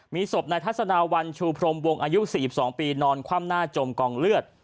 มีศพนายทัศนาวัลชูพรมวงอายุ๔๒ปีนอนคว่ำหน้าจมกองเลือด